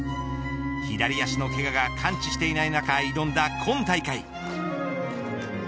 左足のけがが完治していない中挑んだ今大会。